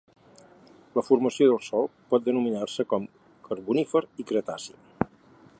La formació del sòl pot denominar-se com carbonífer i cretaci.